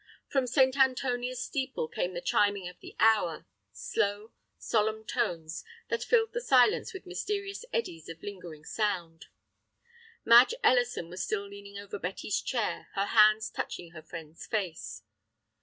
From St. Antonia's steeple came the chiming of the hour, slow, solemn tones that filled the silence with mysterious eddies of lingering sound. Madge Ellison was still leaning over Betty's chair, her hands touching her friend's face.